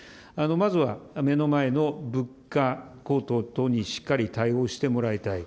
まずは目の前の物価高騰等にしっかり対応してもらいたい。